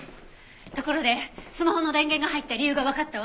ところでスマホの電源が入った理由がわかったわ。